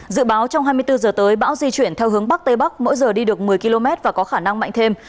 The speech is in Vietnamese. dự báo trong hai mươi bốn h tới bão di chuyển theo hướng bắc tây bắc mỗi giờ đi được một mươi km và có khả năng mạnh thêm